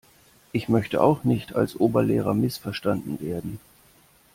Ich möchte auch nicht als Oberlehrer missverstanden werden.